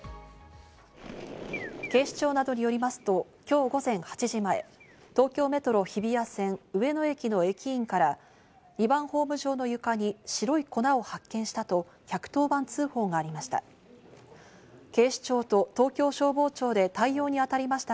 警視庁などによりますと今日午前８時前、東京メトロ日比谷線・上野駅の駅員から、２番ホーム上の床に白い粉を発見したと１１０番通報がありました。